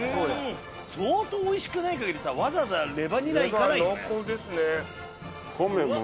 相当おいしくない限りさぁわざわざレバニラ行かないよね。